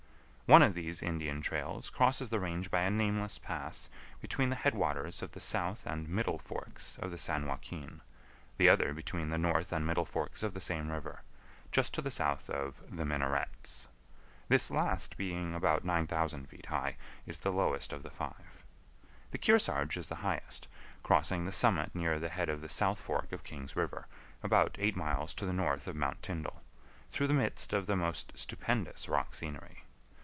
One of these Indian trails crosses the range by a nameless pass between the head waters of the south and middle forks of the San Joaquin, the other between the north and middle forks of the same river, just to the south of "The Minarets"; this last being about 9000 feet high, is the lowest of the five. The Kearsarge is the highest, crossing the summit near the head of the south fork of King's River, about eight miles to the north of Mount Tyndall, through the midst of the most stupendous rock scenery.